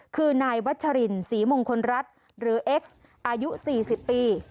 คือนายวัชรินศรีมงคลรัฐหรือเอ็กซ์อายุ๔๐ปี